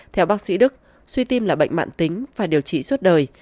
theo bác sĩ đức suy tim là bệnh mạng tính phải điều trị suốt đời